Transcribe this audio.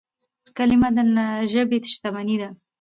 کلیمه د ژبي شتمني ده.